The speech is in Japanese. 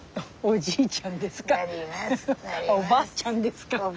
おじいちゃんですか？